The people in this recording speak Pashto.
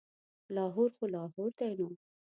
لاهور خو لاهور دی نو.